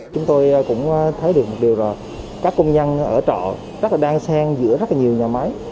chúng tôi cũng thấy được một điều là các công nhân ở trọ rất là đan sen giữa rất là nhiều nhà máy